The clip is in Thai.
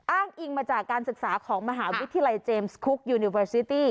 อ้างอิงมาจากการศึกษาของมหาวิทยาลัยเจมส์คุกยูนิเวอร์ซิตี้